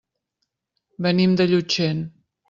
Venim de Llutxent.